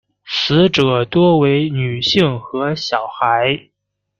死者多为女性和小孩。